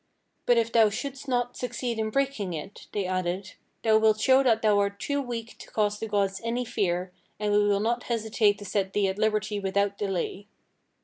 'But if thou shouldst not succeed in breaking it,' they added, 'thou wilt show that thou art too weak to cause the gods any fear, and we will not hesitate to set thee at liberty without delay.'